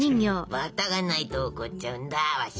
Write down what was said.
バターがないと怒っちゃうんだワシは。